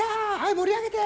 盛り上げて！